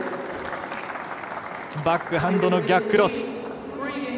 バックハンドの逆クロス。